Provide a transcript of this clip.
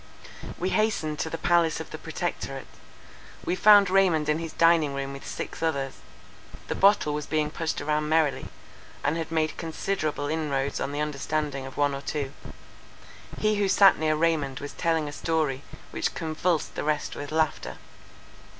We hastened to the palace of the Protectorate. We found Raymond in his dining room with six others: the bottle was being pushed about merrily, and had made considerable inroads on the understanding of one or two. He who sat near Raymond was telling a story, which convulsed the rest with laughter.